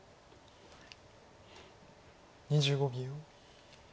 ２５秒。